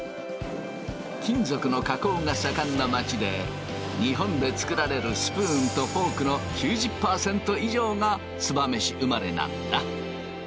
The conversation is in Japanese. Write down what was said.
金属の加工が盛んな町で日本で作られるスプーンとフォークの９０％以上が燕市生まれなんだ。